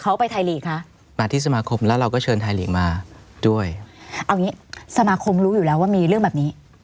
เอาอย่างนี้สมาคมรู้อยู่แล้วว่ามีเรื่องแบบนี้